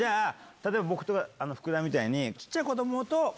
例えば僕と福田みたいに。